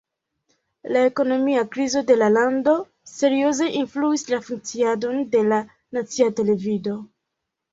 La ekonomia krizo de la lando serioze influis la funkciadon de la nacia televido.